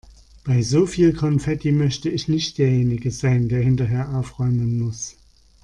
Bei so viel Konfetti möchte ich nicht derjenige sein, der hinterher aufräumen muss.